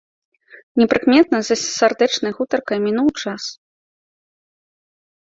Непрыкметна за сардэчнай гутаркай мінуў час.